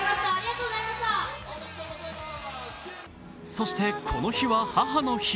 そしてこの日は母の日。